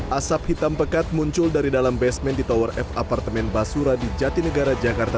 asap hitam pekat muncul dari dalam basement di tower f apartemen basura di jatinegara jakarta